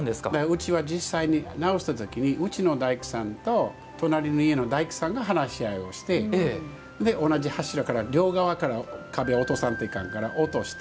うちは実際に直した時にうちの大工さんと隣の家の大工さんが話し合いをして同じ柱から両側から壁を落とさんといかんから落として。